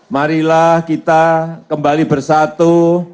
marilah kita kembali bersatu